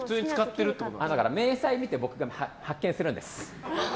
明細を見て僕が発見するんです。